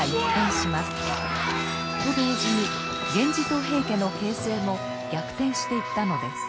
と同時に源氏と平家の形勢も逆転していったのです。